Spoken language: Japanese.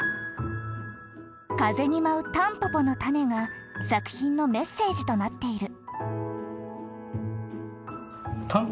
風に舞うたんぽぽの種が作品のメッセージとなっている。